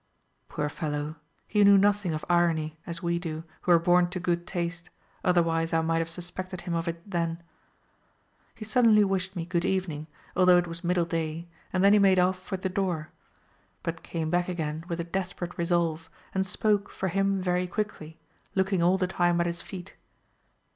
Poor fellow! he knew nothing of irony, as we do, who are born to good taste, otherwise I might have suspected him of it then. He suddenly wished me "good evening," although it was middle day, and then he made off for the door, but came back again with a desperate resolve, and spoke, for him, very quickly, looking all the time at his feet.